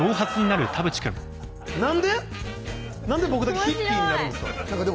なんで僕だけヒッピーになるんですか？